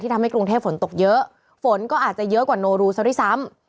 ทำให้กรุงเทพฝนตกเยอะฝนก็อาจจะเยอะกว่าโนรูซะด้วยซ้ำ